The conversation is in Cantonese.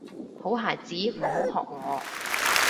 好孩子唔好學我